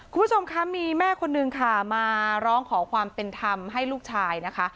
คุณผู้ชมคะมีแม่คนนึงค่ะมาร้องขอความเป็นธรรมให้ลูกชายนะคะ